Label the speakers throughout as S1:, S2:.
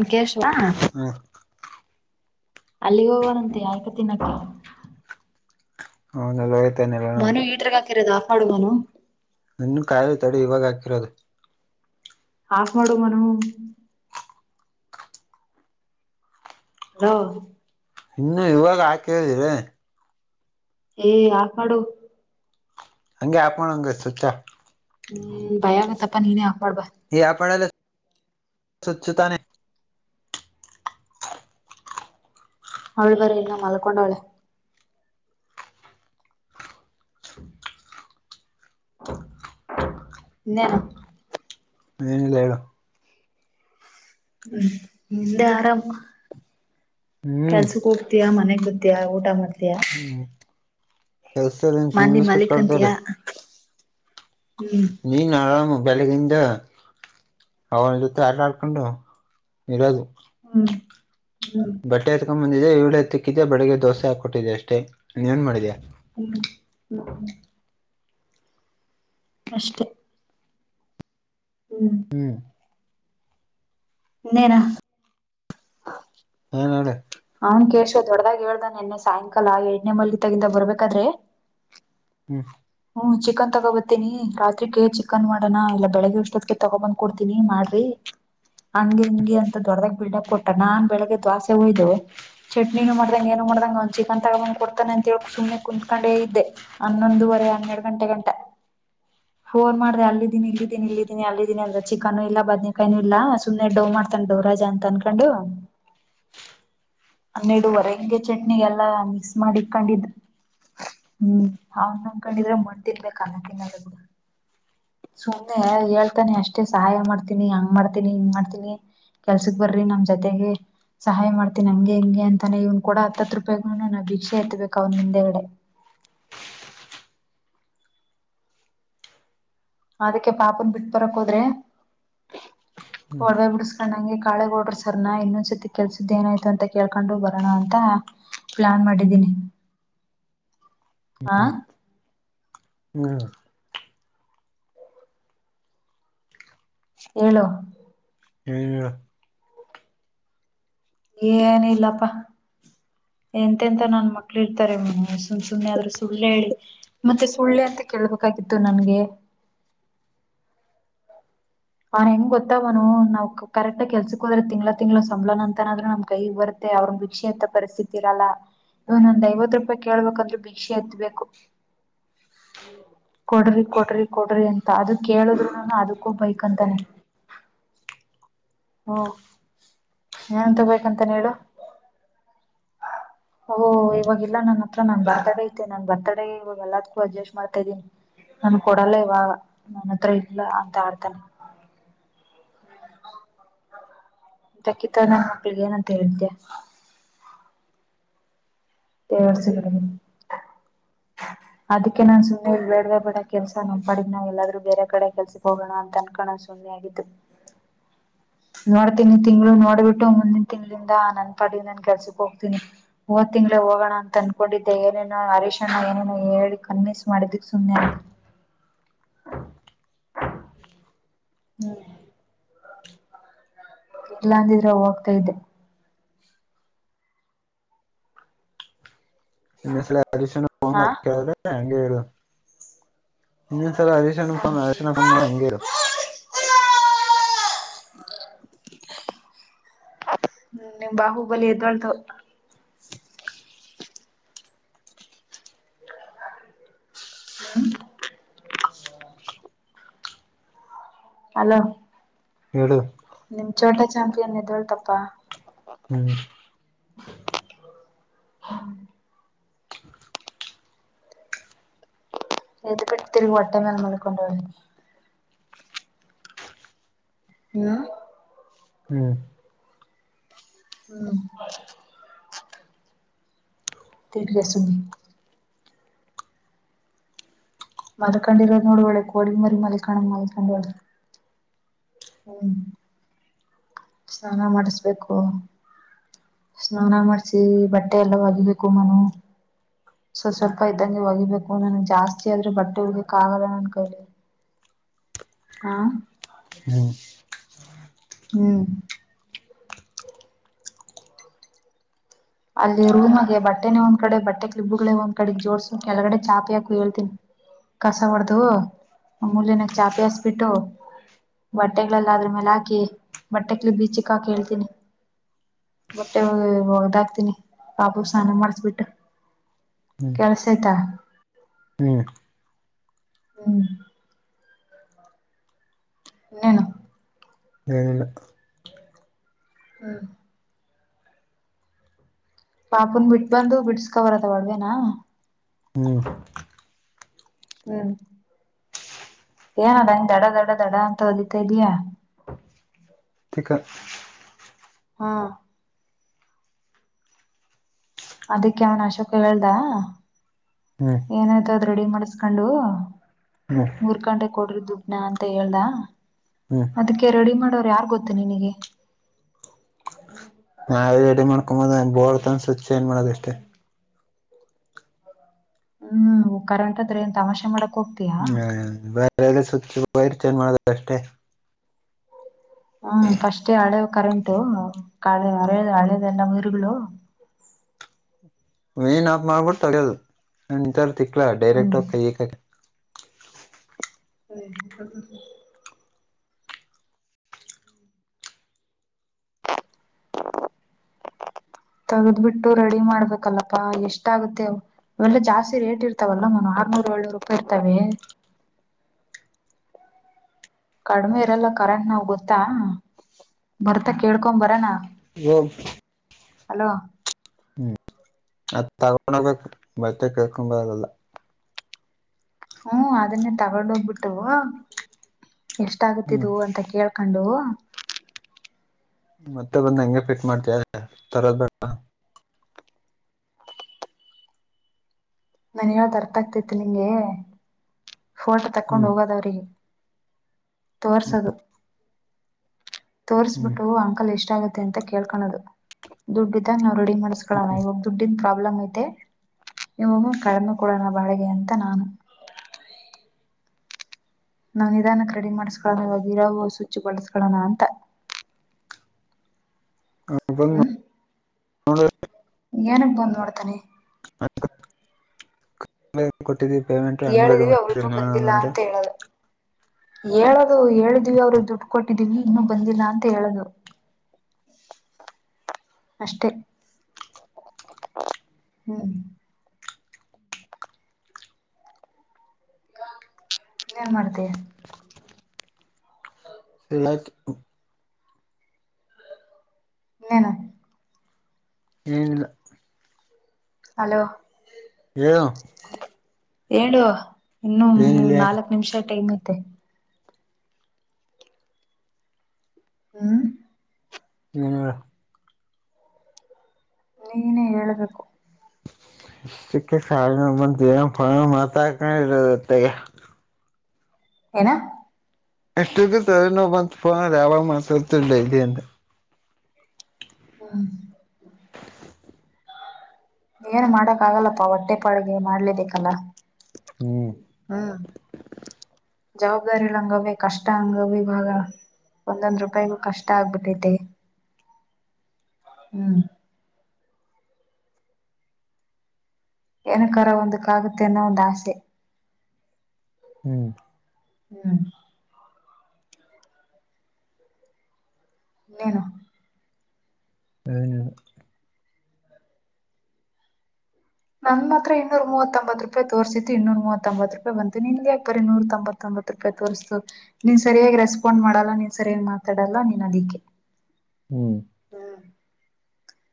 S1: ಮುಕೆೇಶ್
S2: ಹ
S1: ಅಲ್ಲಿ ಹೋಗವಾನಂತೆ ಅಯ್ಕ ತಿನ್ನಾಕ
S2: ಹೌದಲ್ಲ
S1: ಮನ ಈಟ್ರ ಹಕಿರೋದು ಆಫ ಮಾಡು ಮನು.
S2: ಇನ್ನ ಕಾಯಿಲ ತಡೆ ಇವಾಗ ಹಾಕಿರೋದು.
S1: ಆಫ್ ಮಾಡು ಮನು. [unintelligible]
S2: ಇನ್ನು ಇವಾಗ ಹಾಕೇದಿರಿ
S1: ಎ ಆಪ್ ಮಾಡು.
S2: ಹಂಗೆ ಆಪ ಮಾಡು ಅಂಗ ಸಚಾ
S1: ಹ್ಮ ಭಯ ಆಗತ್ತಪ್ಪ ನೀನೇ ಆಪ್ ಮಾಡ್ಬಾ.
S2: ಈ ಆಪ್ ಮಾಧಲ್ಲ ಸ್ವಚ್ಛತಾನ
S1: ಅವ್ಳಿಬರಿ ಇನ್ನ ಮಲ್ಕೊಂಡ ಅವಳೆ. ಇನ್ನೇನು
S2: ಏನಿಲ್ಲ ಹೇಳ.
S1: ಹ್ಮ ನಿಂದ ಆರಾಮ
S2: ಹ್ಮ್
S1: ಕೆಲ್ಸಕ ಹೋ ತ್ತಿಯಾ ಮನೆಗ್ ಬತ್ತಯಾ ಊಟ ಮಾಡ್ತಯಾ.
S2: ಹ
S1: ಮಾಂದಿ ಮಾಲ್ಲಿಕಂತಿಯ
S2: ಕರ್ತವ್ರೆ
S1: ಹ್ಮ
S2: ನೀನ ಆರಾಮ ಬೆಳಗಿಂದ ಅವನ ಜೊತೆ ಆಟ ಆಡ್ಕೊಂಡು ಇರೋದು.
S1: ಹ್ಮ ಹ್ಮ
S2: ಬಟ್ಟೆ ಎತ್ಕೊ ಬಂದಿದ್ದೆ ಏಳು ಹತ್ತಿಕ್ಕಿದ್ದ ಬೆಳಿಗ್ಗೆ ದೋಸೆ ಹಾಕೊಟ್ಟಿದ್ದಿ ಅಷ್ಟೇ ಇನ್ನೇನ ಮಾಡಿದ್ಯಾ.
S1: ಹ್ಮ ಹ್ಮ ಅಷ್ಟೇ ಹ್ಮ
S2: ಹ
S1: ಇನ್ನೇನ [inaudible]
S2: ಎ ನೋಡ
S1: ಅವ್ನ್ ಕೇಶ ದೊಡ್ಡದಾಗ ಹೇಳ್ದಾ ನಿನ್ನೆ ಸಾಯಂಕಾಲ ಏಡ್ನೇ ಮಲ್ಲಿ ದಾಗಿಂದ ಬರ್ಬೇಕಾದ್ರೆ
S2: ಹ್ಮ
S1: ಹ್ಮ ಚಿಕನ್ ತಗೋಬತೀನಿ ರಾತ್ರಿಕ್ಕೆ ಚಿಕನ್ ಮಾಡೋಣ ಇಲ್ಲಾ ಬೆಳಗ್ ಅಷ್ಟೊತ್ತ್ಗೆ ತಗೊ ಬಂದ ಕೋಡ್ತನಿ ಮಾಡ್ರಿ ಹ ಹಂಗೆ ಅಂತ ದೊಡ್ಡದಾಗ ಬಿಲ್ಡಪ್ ಕೋ ಅ ನಾನ್ ಬೆಳಗ್ಗೆ ದೋಸೆ ಹೋಯ್ದು ಚಟ್ನಿನು ಮಾಡ್ದಂಗ ಏನು ಮಾಡ್ದಂಗ ಅವ್ ಚಿಕನ್ ತಗೊಂಡ ಬಂದ ಕೊತಾನೆ ಅಂತ ಹೇಳ ಸುಮ್ನೆ ಕುತ್ಕೊಂಡೇ ಇದ್ದೆ. ಹನ್ನೊಂದುವರೆ ಹನ್ನೆರಡ ಗಂಟೆ ಗಂಟ ಫೋನ್ ಮಾಡ್ರೆ ಅಲ್ಲಿದ್ದಿನಿ ಇಲ್ಲಿದ್ದೀನಿ ಇಲ್ಲಿದ್ದೀನಿ ಅಲ್ಲಿದ್ದೀನಿ ಅಂದ್ರೆ ಚಿಕನ್ನು ಇಲ್ಲ ಬದ್ನೇಕಾಯಿನು ಇಲ್ಲ ಸುಮ್ಮನೆ ಡವ್ ಮಾಡ ತನ್ ಡವ್ ರಾಜಾ ಅಂತ ಅನ್ಕೊಂಡು ಹನ್ನೆರಡುವರೆ ಹಂಗೆ ಚಟ್ನಿಗ್ ಎಲ್ಲಾ ಮಿಕ್ಸ ಮಾಡಿ ಇಕ್ಕಂದಿಡ್ ಹ್ಮ ಅವನ್ ನಂಬ್ಕೊಂಡ್ ಇದ್ರೆ ಮಣ್ತಿನ್ಬೇಕು ಅನ್ನ ತಿನ್ನಲ್ಲ ಬಿಡು. ಸುಮ್ನೆ ಹೇಳ್ತಾನೆ ಅಷ್ಟೇ ಸಹಾಯ ಮಾಡ್ತೀನಿ ಹಂಗ್ ಮಾಡ್ತೀನಿ ಹಿಂಗ್ ಮಾಡ್ತೀನಿ ಕೆಲ್ಸಕ್ ಬರ್ರಿ ನಮ್ ಜೊತೆಗೆ ಸಹಾಯ ಮಾಡ್ತೀನಿ ಹಂಗೆ ಹಿಂಗೆ ಅಂತಾನೆ ಇವ್ನ ಕೊಡೊ ಹತ್ ಹತ್ ರೂಪಾಯಿಗು ನಾನ ಭೀಕ್ಷೆ ಎತ್ತಬೇಕು ಅವ್ನ ಮುಂದೆಗಡೆ. ಅದಕ್ಕೆ ಪಾಪನ್ ಬಿಟ್ ಬರಕ್ ಹೋದ್ರೆ?
S2: ಹ್ಮ್
S1: ಒಡ್ವೆ ಬಿಡಸ್ಕೊಂಡ್ ಅಂಗೆ ಕಾಳೆ ಗೌಡ್ರು ಸರ್ನ ಇನ್ನೊಸರ್ತಿ ಕೆಲ್ಸದ್ ಏನಾಯ್ತು ಅಂತ ಕೇಳ್ಕೊಂಡು ಬರೋಣ ಅಂತ ಪ್ಲಾನ್ ಮಾಡಿದ್ದೀನಿ. ಹ
S2: [unintelligible]
S1: ಹೇಳು?
S2: ನೀನ್ ಹೇಳು?
S1: ಏನು ಇಲ್ಲಪ್ಪಾ. ಎಂತೆಂತ ನನ್ ಮಕ್ಳ ಇರ್ತಾರೆ [unintelligible] ಸುಮ್ ಸುಮ್ನೆ ಆದ್ರೂ ಸುಳ್ ಹೇಳಿ ಮತ್ತೆ ಸುಳ್ ಎಂತಕ್ ಹೇಳ್ಬೇಕಾಗಿತ್ತು ನನ್ಗೆ? ಅವ ಹೆಂಗ್ ಗೊತ್ತಾವನು ನಾವ್ಕ ಕರೆಕ್ಟ ಕೆಲ್ಸಕ್ ಹೋದ್ರೆ ತಿಂಗ್ಳ ತಿಂಗ್ಳ ಸಂಬಳನ ಅಂತನಾದ್ರೂ ನಮ್ ಕೈಗೆ ಬರುತ್ತೆ ಅವ್ರ್ನ ಭಿಕ್ಷೆ ಎತ್ತ ಪರಿಸ್ಥಿತಿ ಇರಲ್ಲ. ಇವ್ನ ಒಂದ್ ಐವತ್ತು ರೂಪಾಯಿ ಕೇಳ್ಬೇಕಂದ್ರೆ ಭಿಕ್ಷೆ ಎತ್ಬೇಕು. ಕೊಡ್ರಿ ಕೊಡ್ರಿ ಕೊಡ್ರಿ ಅಂತ ಅದು ಕೇಳುದ್ರುನು ಅದಕ್ಕೂ ಬೈಕಂತಾನೆ. ಹ್ಮ ಏನಂತ ಬೈಕೊಂತಾನೆ ಹೇಳು? ಓಹೊ ಇವಾಗಿಲ್ಲ ನನ್ನ ಹತ್ರ ನನ್ ಬರ್ತಡೆ ಐತೆ ನನ್ ಬರ್ತಡೆಗೆ ಇವಾಗ ಎಲ್ಲದಕ್ಕೂ ಅಡ್ಜಸ್ಟ ಮಾಡ್ತ ಇದೀನಿ. ನನ್ ಕೊಡಲ್ಲ ಇವಾಗ ನನ್ನ ಹತ್ರ ಇಲ್ಲ ಅಂತ ಆಡ್ತಾನೆ. [unintelligible] ನನ್ ಮಕ್ಳಿಗೆ ಏನಂತ ಹೇಳಿದ್ದೆ? [unintelligible] ಅದಕ್ಕೆ ನಾನ್ ಸುಮ್ನೆ ಬೇಡ್ವೇ ಬೇಡ ಈ ಕೆಲ್ಸ ನಮ್ ಪಾಡಿಗ್ ನಾವ್ ಎಲ್ಲಾದ್ರೂ ಬೇರೆ ಕಡೆ ಕೆಲ್ಸಕ್ ಹೋಗೋಣ ಅಂತ ಅನ್ಕೋಣ [unintelligible] [unintelligible] ಆಗಿದ್ದು. ನೋಡ್ತೀನಿ ಈ ತಿಂಗಳು ನೋಡ್ಬಿಟ್ಟು ಮುಂದಿನ ತಿಂಗಳಿಂದ ನನ್ ಪಾಡಿಗ್ ನಾನ್ ಕೆಲ್ಸಕ್ ಹೋಗ್ತೀನಿ. ಹೋದ್ ತಿಂಗ್ಳೆ ಹೋಗೋಣ ಅಂತ ಅನ್ಕೊಂಡಿದ್ದೆ ಏನೇನೋ ಹರೀಶಣ್ಣ ಏನೇನೋ ಹೇಳಿ ಕನ್ವೀನ್ಸ ಮಾಡಿದಕ್ ಸುಮ್ನೆ ಆದೆ. ಹ್ಮ ಇಲ್ಲಾ ಅಂದಿದ್ರೆ ಹೋಗ್ತಾ ಇದ್ದೆ.
S2: [unintelligible] ಇನ್ನೊಂದಲ ಹರೀಶಣ್ಣನ್ ಫೋನ್
S1: ಹಾ
S2: ಹರೀಶಣ್ಣ ಫೋನ್ ಮಾಡಿದ್ರೆ ಹಂಗೆ
S1: ಹ್ಮ್
S2: ಹೇಳು.
S1: [inaudible] ಹ್ಮ ನಿಮ್ ಬಾಹುಬಲಿ ಏದೋಳ್ತು. [unintelligible]
S2: [inaudible]
S1: ಹಲೋ
S2: ಹೇಳು?
S1: ನಿಮ್ ಚೋಟ ಚಾಂಪಿಯನ್ ಎದೋಳ್ತಪ್ಪಾ.
S2: ಹ್ಮ
S1: ಹ್ಮ
S2: [inaudible]
S1: ಎದ್ಬಿಟ್ ತಿಂದ್ ಹೊಟ್ಟೆ ಮೇಲೆ ಮಲ್ಕೊಂಡವ್ನೆ. ಹ್ಮ
S2: ಹ್ಮ್,
S1: ಹ್ಮ, ೇಗ್ರೆ ಸಿ [unintelligible] ಮಲ್ಕೋಂಡಿರದು ನೋಡು ಒಳ್ಳೆ ಕೋಳಿ ಮರಿ ಮಲ್ಕೋಡಂಗೆ ಮಲ್ಕೋಂಡವ್ಳೆ. ಹ್ಮ್ ಸ್ನಾನ ಮಾಡಿಸ್ಬೇಕು. ಸ್ನಾನ ಮಾಡ್ಸಿ ಬಟ್ಟೆ ಎಲ್ಲಾ ಹೋಗಿಬೇಕು ಮನು. ಸ್ವಲ್ಪ ಸ್ವಲ್ಪ ಇದ್ದಾಗೆ ಹೋಗಿಬೇಕು ನನಗೆ ಜಾಸ್ತಿ ಅಂದ್ರೆ ಬಟ್ಟೆ ಹೋಗ್ಯಾಕ ಆಗಲ್ಲ ನನ್ ಕೈಯಲ್ಲಿ. ಹಾ
S2: ಹ್ಮ್
S1: ಹ್ಮ್ ಅಲ್ಲಿ ರೂಮಲ್ಲಿ ಬಟ್ಟೆನೇ ಒಂದು ಕಡೆ ಬಟ್ಟೆ ಕ್ಲಿಪ್ಗಳು ಒಂದ್ ಕಡೆ ಹಾಕಿ ಜೋಡಿಸು ಕೆಳಗಡೆ ಚಾಪೆ ಹಾಕು ಹೇಳ್ತೀನಿ. ಕಸ ಹೊಡ್ದು ಮೂಲೆಯಲ್ಲಿ ಚಾಪೆ ಹಸ್ಬಿಟ್ಟು. ಬಟ್ಟೆಗಳೆಲ್ಲ ಅದ್ರ ಮೇಲೆ ಹಾಕಿ ಬಟ್ಟೆಕ್ ಬೀಚಕ್ ಹಾಕಿ ಹೇಳ್ತೀನಿ [unintelligible] ಮತ್ತೆ ಒದಾಗ [inaudible] ಪಾಪುಗೆ ಸ್ನಾನ ಮಾಡಿಸ್ಬಿಟ್ಟು,
S2: ಹ್ಮ್
S1: ಕೆಲಸ ಆಯ್ತಾ.
S2: ಹ್ಮ್
S1: ಹ್ಮ್ ಇನ್ನೇನು,
S2: ಏನಿಲ್ಲಾ,
S1: ಹ್ಮ್ ಪಾಪುನ ಬಿಟ್ಟು ಬಂದು ಬಿಡಸ್ಕೋಂಡುಬರದ ಒಡ್ವೆೇನಾ.
S2: ಹ್ಮ್
S1: ಹ್ಮ್ ಏನದು ದಡ ದಡ ದಡ ಅಂತ ಅಲಿತಾ ಇದಿಯಾ.
S2: ತಿಕ್ಕ
S1: ಹಾ ಅದಕ್ಕೆ ಅವನ್ ಅಶೋಕ್ ಹೇಳ್ದ.
S2: ಹ್ಮ್
S1: ಏನಾಯ್ತೋ ಅದು ರೆಡಿ ಮಾಡಿಸ್ಕೊಂಡು,
S2: ಹ್ಮ
S1: ಮುರ್ಕೊಂಡೆ ಕೊಡ್ರಿ ದುಡ್ನ ಅಂತ ಹೇಳ್ದ.
S2: ಹ್ಮ್
S1: ಅದಕ್ಕೆ ರೆಡಿ ಮಾಡೋರು ಯಾರು ಗೊತ್ತ ನಿನಗೆ,
S2: ನಾವ ರೆಡಿ ಮಾಡ್ಕೊಂಬೋದ ಬೋರ್ತ ಅನ್ ಸ್ವಚ್ ಏಜ್ ಮಾಡೋದ ಅಷ್ಟೇ [unintelligible]
S1: ಹ್ಮ್ ಕರೆಂಟ್ ಆದ್ರೆ ಏನ್ ತಮಾಷೆ ಮಾಡಕ್ ಹೋಗ್ತಿಯಾ.
S2: ಹ್ಮ ಬೇರೆಲ್ಲಾ ಸ್ವಿಚ್ ವೈರ್ ಚೆಂಜ್ ಮಾಡೋದು ಅಷ್ಟೇ.
S1: ಹ್ಮ್ ಫಸ್ಟೇ ಹಳೆವು ಕರೆಂಟು ಹಳೆ ಹಳ ಹಳೆದೆಲ್ಲ ವೈರ್ ಗಳು.
S2: ಮೇನ್ ಆಫ್ ಮಾಡಿ ತಡೆಯೋದು ನಾನೇನು ನಿಂತರೆ ತಿಕ್ಲಾ ಅಲ್ಲಾ ಡೈರೆಕ್ಟ್
S1: ಹ್ಮ್
S2: ಹೋಗಿ ಕೈ ಇಕ್ಕಕ್ಕೆ.
S1: ಹ್ಮ್ [inaudible] ತಗದ್ ಬಿಟ್ಟು ರೆಡಿ ಮಾಡ್ಬೇಕಲ್ಲಪ್ಪಾ ಎಷ್ಟು ಆಗುತ್ತೆ. ಇವೆಲ್ಲಾ ಜಾಸ್ತಿ ರೇಟ್ ಇರ್ತಾವಲ್ಲ ಮನು ಆರ್ನೂರು ಏಳ್ನೂರು ರೂಪಾಯಿ ಇರ್ತವೆ. ಕಡಿಮೆ ಇರಲ್ಲ ಕರೆಂಟ್ ನಾವು ಗೊತ್ತಾ ಬರ್ತ ಕೇಳ್ಕೊಂಡು ಬರೋಣ.
S2: ಹ [unintelligible]
S1: ಹಲೋ
S2: ಹ್ಮ್ ಅದ ತಗೊಂಡ್ ಹೋಗ್ಬೇಕು ಬತ್ತೆ ಕೇಳ್ಕೊ ಬರದಲ್ಲ.
S1: ಹ್ಮ ಅದನ್ನೇ ತಗೊಂಡೋಗ್ಬಿಟ್ಟು.
S2: ಹ್ಮ್
S1: ಎಷ್ಟಾಗುತ್ತಿದ್ದು ಅಂತ ಕೇಳ್ಕೊಂಡು.
S2: ಮತ್ತೆ ಬಂದ ಹಂಗೆ ಪಿಟ್ ಮಾಡ್ತ ತರೋದ ಬೇಡ.
S1: ನಾನ ಹೇಳದು ಅರ್ಥ ಆಗ್ತತಿ ನಿಂಗೆ ಫೋಟೋ ತಕೊಂಡ್
S2: ಹ್ಮ್
S1: ಹೋಗೋದವ್ರಿಗೆ. ತೋಸದು [inaudible] ತೋರಿಸ್ಬಿಟ್ಟು ಅಂಕಲ್ ಎಷ್ಟಗುತ್ತೆ. ಅಂತ ಕೇಳ್ಕಳೋದು ದುಡ್ಡಿದಾಗ ನಾವು ರೆಡಿ ಮಾಡಸ್ಕೊಳ [inaudible] ನಬ್ ದುಡ್ಡಿನ ಪ್ರಾಬ್ಲಮ್ ಐತೆ ನಿಮ್ಮೊಮ್ಮ ಕಡಿಮೆ ಕೂಡೋಣ ಬಾಡಿಗೆ ಅಂತ ನಾನು. ನಾನು ನಿಧಾನ ಕ ರೆಡಿ ಮಾಡ್ಸ್ಕೊಳ್ಳೋಣ ಇವಾಗ ಇರೋ ಸುಚ್ಛಬಳಿಸ್ಕೊಳ್ಳೋಣ ಅಂತ.
S2: ಹೌ [inaudible]
S1: ಹ್ಮ್ ಏನಕ್ ಬಂದ್ ನೋಡ್ತಾನೆ.
S2: ಹ [inaudible] [inaudible] ಕೊಟ್ಟಿದ್ದೀವಿ ಪೇಮೆಂಟ್. ಹಂಡ್ರೆಡ್
S1: ಹೇಳಿದಿವಿ ಅವ್ರಿನ್ನೂ ಬಂದಿಲ್ಲ ಅಂತ ಹೇಳದು. ಹೇಳದು ಹೇಳಿದ್ವಿ ಅವರು ದುಡ್ಡು ಕೊಟ್ಟಿದೀವಿ ಇನ್ನು ಬಂದಿಲ್ಲ ಅಂತ ಹೇಳದು. ಹ [inaudible] [inaudible] ಅಷ್ಟೇ ಹ್ಮ್ [inaudible] [inaudible] ಏನ್ ಮಾಡ್ತಯ. ಹ್ಮ [inaudible]
S2: ಹೇಳಳಕ್ [inaudible]
S1: ಇನಾ [inaudible]
S2: ಏನಿಲ್ಲ
S1: ಹಲೋ [inaudible]
S2: ಯ [inaudible]
S1: ಏ ಏಳು ಇನ್ನು
S2: ಏನಿಲ್ಲ ಹೇಳು
S1: ನಾಲ್ಕ್ ನಿಮಿಷ ಟೈಮ್ ಐತೆ. ಹ್ಮ್
S2: ಇ [inaudible]
S1: ನೀನೇ ಹೇಳ್ಬೇಕು.
S2: ಇಷ್ಟಕ್ಕೆ ಸ [inaudible] ಬಂದ ಜೇವ ಪ ಮಾತಾಡ್ಕೊಂಡ ಇರದ ಹೊತ್ತಗ [inaudible]
S1: ಏನ [inaudible]
S2: ಎಷ್ಟಕ್ಕ ತಲೆ ನೋವು ಬಂದುಫೋನ್ ಯಾವ [inaudible] ಮನಸತಿಲ್ಲ ಇಲ್ಲಿ ಅ [inaudible]
S1: ಹ್ಮ [inaudible] ಏನ್ ಮಾಡಕ್ ಆಗಲ್ಲಪ್ಪ ಹೊಟ್ಟೆ ಪಾಡಿಗೆ ಮಾಡ್ಲೆಬೇಕಲ್ಲ.
S2: ಹ್ಮ [inaudible]
S1: ಹ್ಮ್ [inaudible] ಜವಾಬ್ದಾರಿಲ್ಲ ಹಂಗವ ಕಷ್ಟ ಹಂಗವ ಇವಾಗ [inaudible] ಒಂದೊಂದ್ ರೂಪಾಯಿಗೆ ಕಷ್ಟ ಆಗ್ಬಿಟ್ಟೈತಿ. ಹ್ಮ್ [inaudible] ಏನಕರ ಒಂದಕ್ಕಾಗುತ್ತೆ ಅನ್ನೋ ಒಂದು ಆಸೆ.
S2: ಹ್ಮ್ [inaudible]
S1: ಹ್ಮ್ [inaudible] ಇನ್ನೇನು
S2: ಏನ್ ಇಲ್ಲ
S1: ನನ್ ಮಾತ್ರ ಇನ್ನೂಮೂವತ್ತೊತ್ ರೂಪಾಯ ತೋರಿಸಿದ್ದು ಇನ್ನೂ ಮೂವತ್ತಂಬತ್ ರೂಪಾಯ ಬು ನಿನ್ ಯಾಕ್ ಬರಿ ಇೂ ತೊಂಬ ತ್ತೊಂಬತ್ ರೂಪಾಯಿ ತೋರ್ಸ್ತು ನೀನ್ ಸರಿಯಾಗಿ ರೆಸ್ಪಾಂಡ್ ಮಾಡಲ್ಲ ನೀನ್ ಸರಿಯಾಗಿ ಮಾತಾಡಲ್ಲ ನೀನ್ ಅದಿಕ್ಕೆ.
S2: ಹ್ಮ್ [inaudible]
S1: ಹ್ಮ್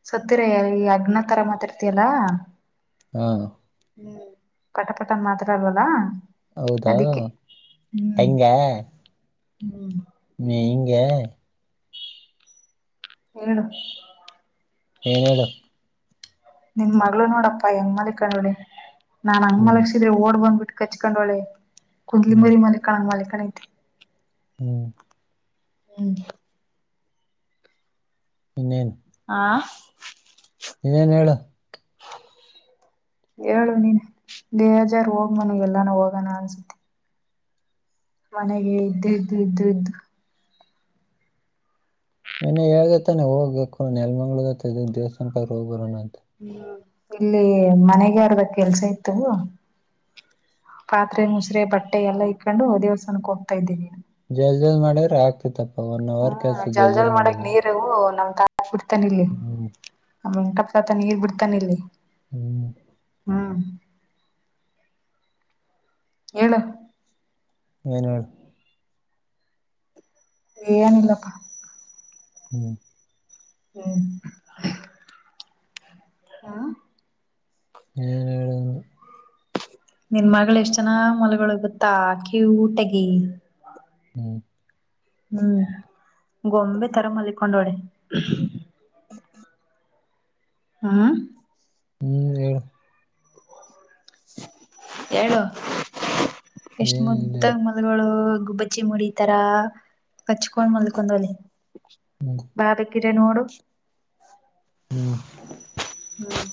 S1: ಸತ್ತರ ಈ ಅಗ್ನ ತರ ಮಾತಡತಿ ಅಲ್ಲ
S2: ಹಾ
S1: ಹ್ಮ್ ಪಟಪಟ ಮಾತಾಡಲ್ಲ ಅಲ್ವಾ
S2: ಹೌದಾ
S1: ಅದಿಕ್ಕೆ ಹ್ಮ್ ಹ್ಮ್
S2: ನೀ ಹಿಂಗೆ
S1: ಹೇಳು
S2: ಹೇಳು
S1: ನಿನ್ ಮಗಳು ನೋಡಪ್ಪಾ ಹೆಂಗ್ ಮಲ್ಕೊಂಡವ್ಳೆ ನಾನ್ ಹಂಗ
S2: ಹ್ಮ್
S1: ಮಲಗಿಸಿದ್ರೆ ಓಡ್ ಬಂದ್ಬಿಟ್ಟು ಕಚ್ಕೊಂಡೋಳೆ ಕುಡ್ಲಿ
S2: ಹ್ಮ್
S1: ಬರಿ ಮಾಲಿಕಾಣ ಮಾಲಕಾಣ ಇತಿ
S2: ಹ್ಮ್
S1: ಹ್ಮ್
S2: ಇನ್ನೇನ್
S1: ಆ
S2: ಏನ್ ಹೇಳ
S1: ಹೇಳು ನೀನ್ ಬೇಜಾರ್ ಹೋಗ ನನಗ ಎಲ್ಲಾನ ಹೋಗೋಣ ಅನ್ಸುತ್ತೆ ಮನೆಗೆ ಇದ್ದು ಇದ್ದು ಇದ್ದು ಇದ್ದು
S2: ನಿನ್ನೆ ಹೇಳ್ದತಾನೆ ಹೋಗ್ಬೇಕು ನೆಲ್ಮಂಗಳೂರ್ ದೇವಸ್ಸಾನಕ ಹೋಗ್ ಬರೋಣ ಅಂತ
S1: ಹ್ಮ ಇಲ್ಲಿ ಮನೆಗಾರದ ಕೆಲ್ಸ ಇತ್ತು ಪಾತ್ರೆ ಮುಸುರೆ ಬಟ್ಟೆ ಎಲ್ಲ ಇಕ್ಕೊಂಡು ದೇವಸ್ಥಾನಕ್ಕೆ ಹೋಗ್ತಾ ಇದ್ದೀನ
S2: ಜಲ್ದಿ ಜಲ್ದಿ ಮಾಡಿದ್ರೆ ಆಗ್ತಿತ್ತಪ್ಪ ಒನ್ ಅವರ್ ಕೆಲ್ಸ
S1: ಹ್ಮ್ ಜಲ್
S2: ಜಲ್ದಿ
S1: ಜಲ್
S2: ಜಲ್ದಿ
S1: ಮಾಡಕ್
S2: ಮಾಡಿದರ
S1: ನೀರು ನಮ್ ತಾತ ಬಿಡ್ತಾನ ಇಲ್ಲಿ ನಮ್ಮ ವೆಂಕಟಪ್ಪ ತಾತ ನೀರ್ ಬಿಡ್ತಾನ ಇಲ್ಲಿ
S2: ಹ್ಮ್
S1: ಹ್ಮ್ ಹೇಳು
S2: ಏನು
S1: ಏನಿಲ್ಲಪ್ಪ
S2: ಹ್ಮ್
S1: ಹ್ಮ್ ಹ್ಮ
S2: ಹ್ಮ್
S1: ನಿನ್ ಮಗಳ ಎಷ್ಟ್ ಚೆನ್ನಾಗ ಮಲ್ಗೊಳೆ ಗೊತ್ತ ಕ್ಯೂಟ್ ಆಗಿ
S2: ಹ್ಮ್
S1: ಹ್ಮ್ ಗೊಂಬೆ ತರ ಮಲಕೊಂಡೋಳೆ ಹ್ಮ
S2: ಹ್ಮ್ ಹೇಳ
S1: ಹೇಳು ಎಷ್ಟ
S2: ಏನಿಲ್ಲ
S1: ಮುದ್ದ ಮಲ್ಗಳು ಗುಬ್ಬಚ್ಚಿ ಮರಿ ತರ ಹಚ್ಕೊಂಡ್ ಮಲ್ಕೊಂಡಲಿ
S2: ಹ್ಮ್
S1: ಬಾ ಬೇಕಾರೆ ನೋಡು
S2: ಹ್ಮ್
S1: ಹ್ಮ್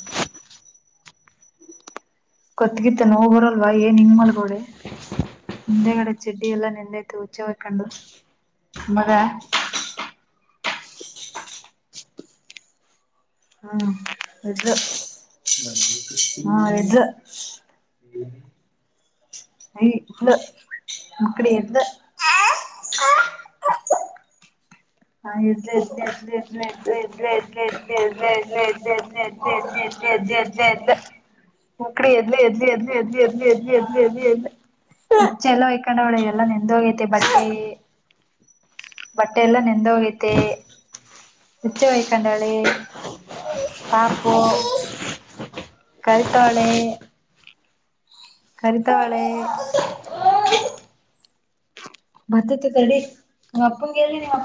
S1: ಕತ್ಗಿತ್ತ ನೋವು ಬರಲ್ವ ಏನ್ ಹಿಂಗ್ ಮಲ್ಗೊಳೆ ಹಿಂದೆಗಡೆ ಚಡ್ಡಿ ಎಲ್ಲಾ ನೆಂದತು ಹುಚ್ಚೆ ಹ್ಕೊಂಡು ಮಗ ಹ್ಮ ಇದು ಹ್ಮ ಇದು ತಂಗಿ ಎದ್ಲು ಹಾ ಎದ್ಲ ಎದ್ಲ ಎದ್ಲ
S2: ಹ್ಮ
S1: ಮುಕ್ಡಿ ಎದ್ಲ ಎದ್ಲ ಎದ್ಲ ಎದ್ಲ ಎದ್ಲ ಎದ್ಲ ಎದ್ಲ ಎದ್ಲ ಎದ್ಲ. ಚೆಲ್ಲೋ ಹಯ್ಕೊಂಡ ಅವಳ ಎಲ್ಲಾ ನೆಂದೋಗೈತೆ ಬಟ್ಟಿ. ಬಟ್ಟೆ ಎಲ್ಲಾ ನೆಂದೋಗೈತೆ ಹುಚ್ಛೆ ಹಯ್ಕೊಂಡೊಳೆ. ಪಾಪು. ಕರಿತೌಳೆ. ಕರಿತೌಳೆ.
S2: ಹ್ಮ
S1: ಬರ್ತ್ತೈತೆ ತಡಿ ನಮ್ಮ್ ಅಪ್ಪನ್ಗೆ ಹೇಳಿನಿ ನಿಮ್ಮ ಅಪ್ಪ